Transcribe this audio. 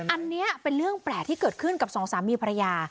อันนี้เป็นเรื่องแปลกที่เกิดขึ้นกับสองสามีภรรยา